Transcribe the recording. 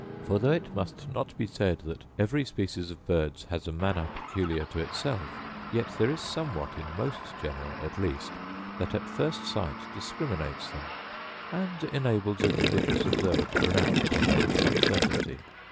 For, though it must not be said that every species of birds has a manner peculiar to itself, yet there is somewhat in most genera at least, that at first sight discriminates them, and enables a judicious observer to pronounce upon them with some certainty.